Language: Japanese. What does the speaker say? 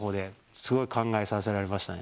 すごい考えさせられましたね。